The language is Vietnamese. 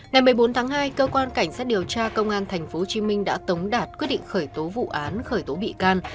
ngày một mươi bốn tháng hai cơ quan cảnh sát điều tra công an tp hcm đã tống đạt quyết định khởi tố vụ án khởi tố bị can